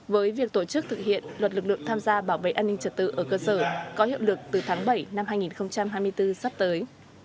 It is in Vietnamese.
với việc tổ chức thực hiện luật lực lượng tham gia bảo vệ an ninh trật tự ở cơ sở có hiệu lực từ tháng bảy năm hai nghìn hai mươi bốn sắp tới